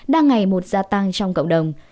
đang ngày một gia tăng trong cộng đồng